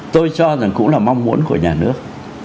tôi cho rằng cũng là mong muốn của nhà nước